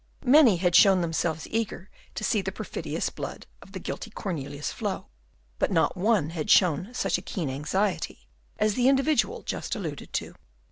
Many had shown themselves eager to see the perfidious blood of the guilty Cornelius flow, but not one had shown such a keen anxiety as the individual just alluded to.